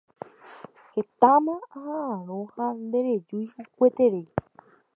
Hetáma aha'ãrõ ha nderejúi gueteri.